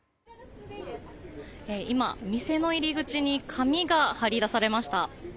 今、店の入り口に紙が貼り出されました。